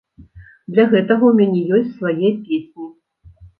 Для гэтага ў мяне ёсць свае песні.